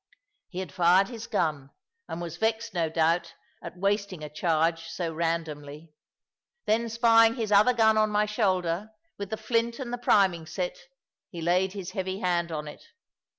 He had fired his gun, and was vexed, no doubt, at wasting a charge so randomly; then spying his other gun on my shoulder, with the flint and the priming set, he laid his heavy hand on it.